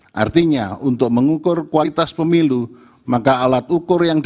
berikut adalah reaksi dari penduduk kedua pemerintah